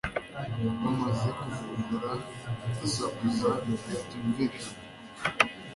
bamaze kuvumbura basakuza byumvikana